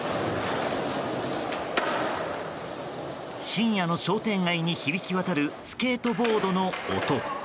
深夜の商店街に響き渡るスケートボードの音。